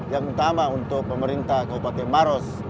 yang utama untuk pemerintah kabupaten maros